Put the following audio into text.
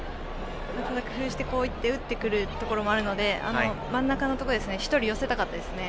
工夫して打ってくることもあるので真ん中のところ１人寄せたかったですね。